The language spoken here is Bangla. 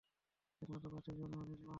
একমাত্র পার্থিব জীবনই আমাদের জীবন।